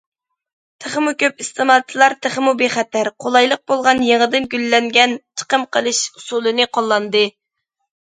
تېخىمۇ كۆپ ئىستېمالچىلار تېخىمۇ بىخەتەر، قولايلىق بولغان يېڭىدىن گۈللەنگەن چىقىم قىلىش ئۇسۇلىنى قوللاندى.